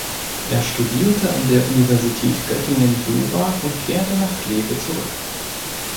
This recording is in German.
Er studierte an der Universität Göttingen Jura und kehrte nach Kleve zurück.